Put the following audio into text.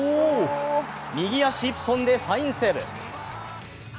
右足１本でファインセーブ。